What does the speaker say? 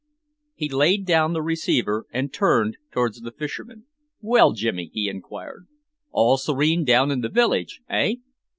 He laid down the receiver and turned towards the fisherman. "Well, Jimmy," he enquired, "all serene down in the village, eh?"